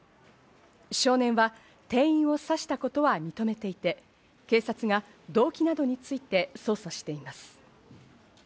少年は店員を刺したことは認めていて、警察が動機などについて捜査しています。